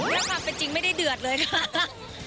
แล้วความเป็นจริงไม่ได้เดือดเลยค่ะ